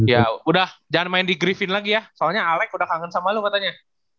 ya udah jangan main di grifin lagi ya soalnya alec udah kangen sama lu katanya